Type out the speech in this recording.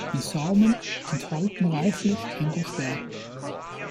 Die Samen enthalten reichlich Endosperm.